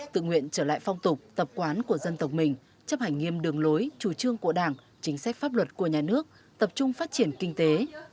tự nguyện trở lại phong tục tập quán của dân tộc mình chấp hành nghiêm đường lối chủ trương của đảng chính sách pháp luật của nhà nước tập trung phát triển kinh tế